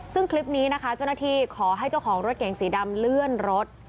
ซึ่งคลิปนี้นะคะเจ้าหน้าที่ขอให้เจ้าของรถเก๋งสีดำเลื่อนรถ